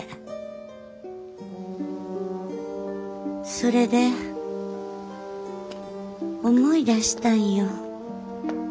それで思い出したんよ。